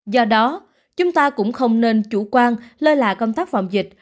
do đó chúng ta cũng không nên chủ quan lơ là công tác phòng dịch